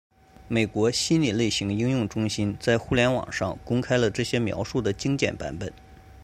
美国心理类型应用中心在互联网上公开了这些描述的精简版本。